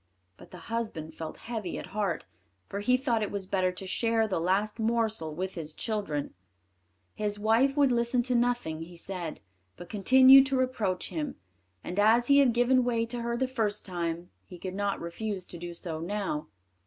But the husband felt heavy at heart, for he thought it was better to share the last morsel with his children. His wife would listen to nothing he said, but continued to reproach him, and as he had given way to her the first time, he could not refuse to do so now.